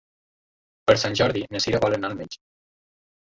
Per Sant Jordi na Sira vol anar al metge.